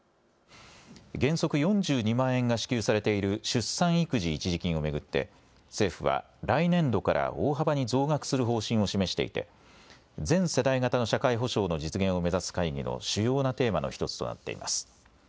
原則４２万円が支給されている出産育児一時金を巡って政府は来年度から大幅に増額する方針を示していて全世代型の社会保障の実現を目指す会議の主要なテーマの１つとなっています。